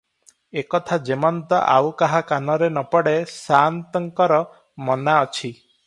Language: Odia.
ଏ କଥା ଯେମନ୍ତ ଆଉ କାହା କାନରେ ନ ପଡେ ସାଆନ୍ତଙ୍କର ମନା ଅଛି ।"